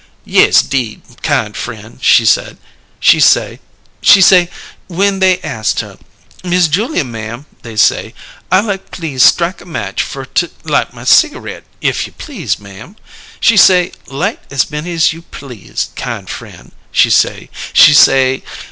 'Yes, 'deed, kine frien',' she say, she say, when they ast her: 'Miss Julia, ma'am,' they say, 'I like please strike a match fer to light my cigareet if you please, ma'am.' She say: 'Light as many as you please, kine frien',' she say, she say.